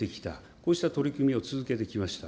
こうした取り組みを続けてきました。